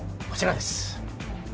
こちらです。